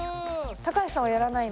高橋さんはやらないの？